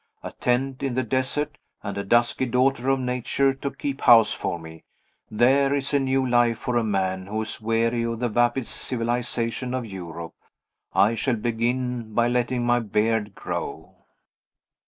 A tent in the desert, and a dusky daughter of Nature to keep house for me there is a new life for a man who is weary of the vapid civilization of Europe! I shall begin by letting my beard grow.